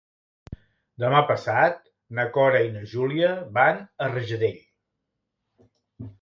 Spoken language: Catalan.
Demà passat na Cora i na Júlia van a Rajadell.